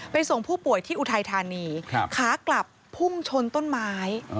ส่งผู้ป่วยที่อุทัยธานีขากลับพุ่งชนต้นไม้